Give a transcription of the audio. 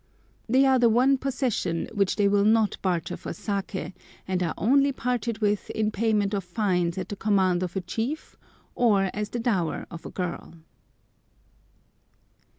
They are the one possession which they will not barter for saké, and are only parted with in payment of fines at the command of a chief, or as the dower of a girl.